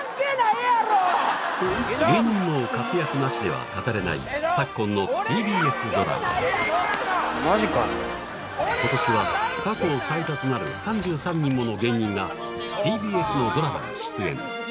芸人の活躍なしでは語れない昨今のＴＢＳドラママジか今年は過去最多となる３３人もの芸人がＴＢＳのドラマに出演